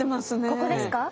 ここですか？